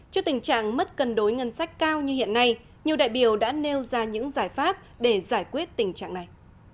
trước tình trạng mất cân đối ngân sách cao như hiện nay nhiều đại biểu đã nêu ra những giải pháp để giải quyết tình trạng này